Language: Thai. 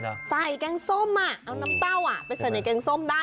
เออใส่แกงส้มเอาน้ำเต้าไปใส่ในแกงส้มได้